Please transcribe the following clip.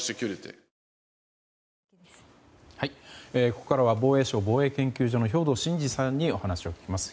ここからは防衛省防衛研究所の兵頭慎治さんにお話を聞きます。